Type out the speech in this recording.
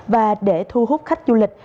và để thu hút khách du lịch